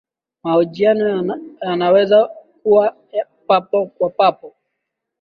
mahojiano yanaweza kuwa ya papo kwa papo